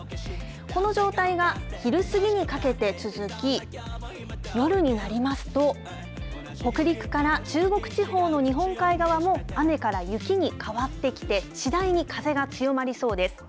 この状態が昼過ぎにかけて続き、夜になりますと、北陸から中国地方の日本海側も、雨から雪に変わってきて、次第に風が強まりそうです。